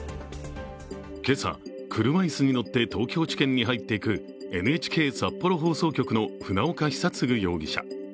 今朝、車椅子に乗って東京地検に入っていくＮＨＫ札幌放送局の船岡久嗣容疑者。